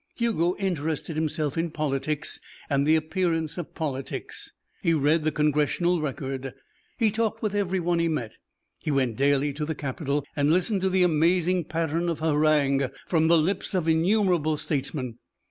Hugo interested himself in politics and the appearance of politics. He read the Congressional Record, he talked with everyone he met, he went daily to the Capitol and listened to the amazing pattern of harangue from the lips of innumerable statesmen.